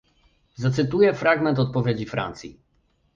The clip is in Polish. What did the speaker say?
Zacytuję fragment odpowiedzi Francji